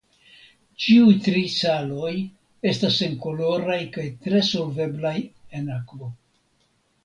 Ĉiuj tri saloj estas senkoloraj kaj tre solveblaj en akvo.